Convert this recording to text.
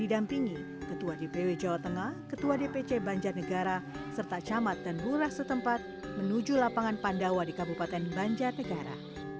dan burah setempat menuju lapangan pandawa di kabupaten banjar negara